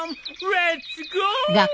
レッツゴー！